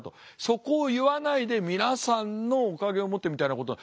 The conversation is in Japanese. そこを言わないで皆さんのおかげをもってみたいなことは。